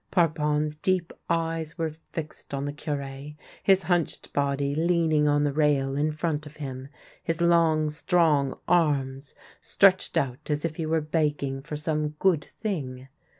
Parpon's deep eyes were fixed on the Cure, his hunched body leaning on the railing in front of him, his long, strong arms stretched out as if he were beg ging for some good thing.